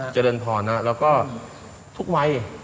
เจริญพรแล้วก็ทุกวัย